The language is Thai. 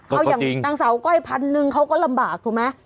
เอาอย่างนางสาวก้อยพันหนึ่งเขาก็ลำบากถูกไหม